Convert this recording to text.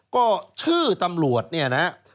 ก็ชื่อตำรวจนี่นะครับ